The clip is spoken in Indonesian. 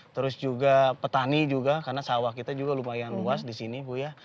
terus juga petani juga karena sawah kita juga lumayan luas di sini bu ya